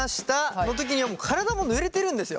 その時にはもう体もぬれてるんですよ。